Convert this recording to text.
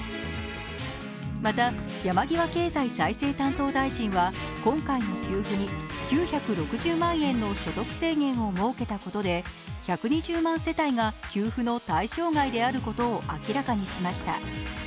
また、山際経済再生担当大臣は今回の給付に９６０万円の所得制限を設けたことで１２０世帯が給付の対象外であることを明らかにしました。